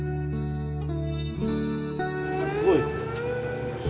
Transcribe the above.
すごいっすよこれ。